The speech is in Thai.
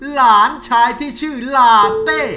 หลานชายที่ชื่อลาเต้